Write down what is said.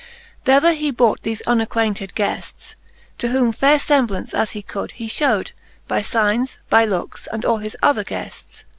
XIV. Thether he brought thefe unacquainted guefls,. To whom faire iemblance, as he could, he fhewed By fignes, by lookes, and all his other gefirs.